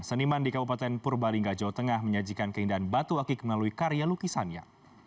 seniman di kabupaten purbalingga jawa tengah menyajikan keindahan batu akik melalui karya lukisannya